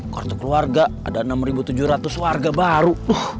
kartu keluarga ada enam tujuh ratus warga baru